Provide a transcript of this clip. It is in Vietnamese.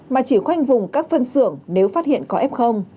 mà chỉ khoanh vùng các phân xưởng nếu phát hiện có f